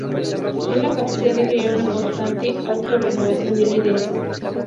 Es la capacidad de crear una constante auto-renovación de líderes.